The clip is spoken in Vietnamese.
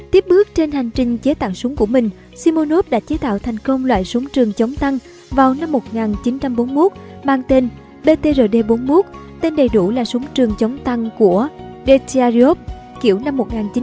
tiếp bước trên hành trình chế tạo súng của mình simonov đã chế tạo thành công loại súng trường chống tăng vào năm một nghìn chín trăm bốn mươi một mang tên btrd bốn mươi một tên đầy đủ là súng trường chống tăng của detyariov kiểu năm một nghìn chín trăm bốn mươi năm